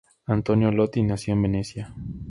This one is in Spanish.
Antonio Lotti nació en Venecia.